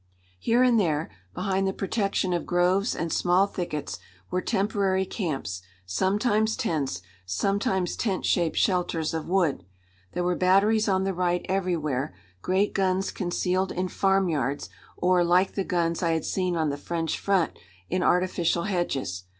Here and there, behind the protection of groves and small thickets, were temporary camps, sometimes tents, sometimes tent shaped shelters of wood. There were batteries on the right everywhere, great guns concealed in farmyards or, like the guns I had seen on the French front, in artificial hedges.